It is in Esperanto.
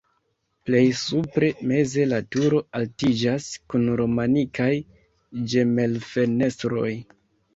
Plej supre meze la turo altiĝas kun romanikaj ĝemelfenestroj.